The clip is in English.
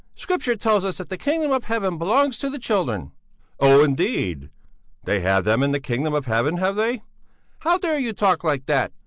Scripture tells us that the kingdom of heaven belongs to the children." "Oh, indeed! They have them in the kingdom of heaven, have they?" "How dare you talk like that!"